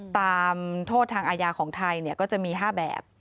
ตามโทษทางอาญาของไทยก็จะมี๕แบบ